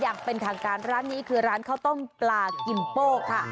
อย่างเป็นทางการร้านนี้คือร้านข้าวต้มปลากิมโป้ค่ะ